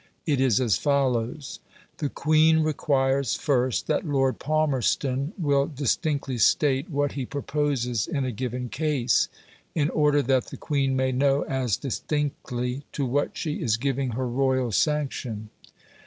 It is as follows: "The Queen requires, first, that Lord Palmerston will distinctly state what he proposes in a given case, in order that the Queen may know as distinctly to what she is giving her royal sanction.